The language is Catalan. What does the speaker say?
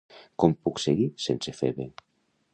Com puc seguir sense Phebe?